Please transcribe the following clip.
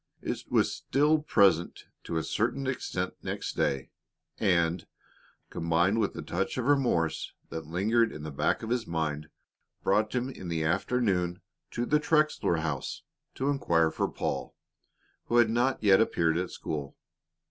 It was still present to a certain extent next day, and, combined with a touch of remorse that lingered in the back of his mind, brought him in the afternoon to the Trexler house to inquire for Paul, who had not appeared at school.